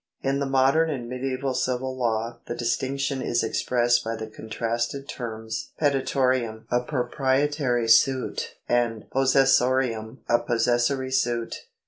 In the modern and medieval civil law the distinction is expressed by the contrasted terms petitorium (a proprietary suit) and possessorium (a possessory suit).